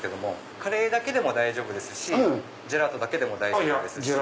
カレーだけでも大丈夫ですしジェラートだけでも大丈夫です。